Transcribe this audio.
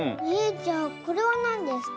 じゃあこれはなんですか？